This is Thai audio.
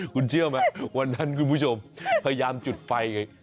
คุณเชื่อไหมวันนั้นคุณผู้ชมพยายามจุดไฟไง